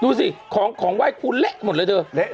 ดูสิของของไหว้ครูเละหมดเลยเถอะ